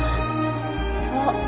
そう。